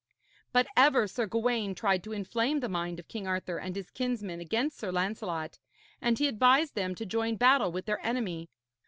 But ever Sir Gawaine tried to inflame the mind of King Arthur and his kinsmen against Sir Lancelot, and he advised them to join battle with their enemy.